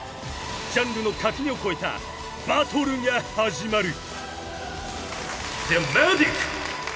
［ジャンルの垣根を越えたバトルが始まる］